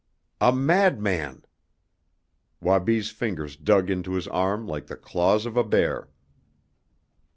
"A madman!" Wabi's fingers dug into his arm like the claws of a bear.